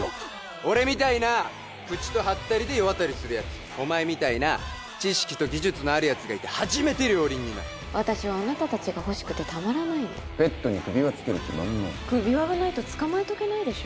俺みたいな口とハッタリで世渡りするやつお前みたいな知識と技術のあるやつがいて初めて両輪になる私はあなた達が欲しくてたまらないのペットに首輪つける気満々首輪がないと捕まえておけないでしょ